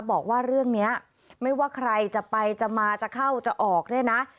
บอกว่าเรื่องนี้ไม่ว่าใครจะไปจะมาจะเข้าจะออกเนี่ยนะ